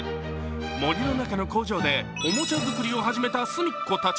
森の中の工場でおもちゃ作りを始めたすみっコたち。